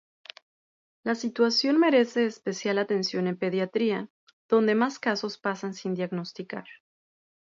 La situación merece especial atención en Pediatría, donde más casos pasan sin diagnosticar.